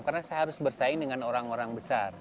karena saya harus bersaing dengan orang orang besar